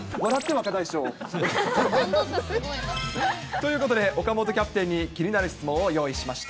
若大将。ということで、岡本キャプテンに気になる質問を用意しました。